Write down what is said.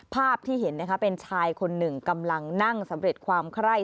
ภาพที่เห็นนะคะเป็นชายคนหนึ่งกำลังนั่งสำเร็จความไคร้